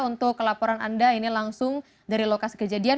untuk laporan anda ini langsung dari lokasi kejadian